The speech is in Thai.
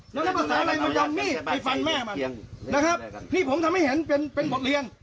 แล้วถ้าภาษาอะไรมันจะเอามีดไปฟันแม่มันนะครับนี่ผมทำให้เห็นเป็นเป็นบทเรียน